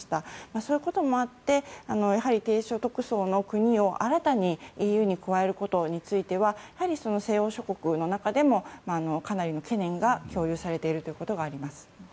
そういうこともあって低所得層の国を新たにＥＵに加えることについてはやはり西欧諸国の中でもかなりの懸念が共有されているということがあります。